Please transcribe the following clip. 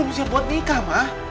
aku belum siap buat nikah ma